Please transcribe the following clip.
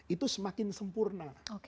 itu semakin sempurna